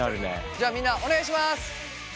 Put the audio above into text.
じゃあみんなお願いします！